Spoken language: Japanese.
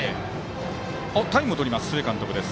タイムを取ります須江監督。